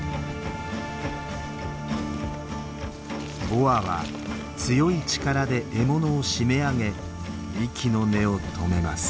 ボアは強い力で獲物を絞め上げ息の根を止めます。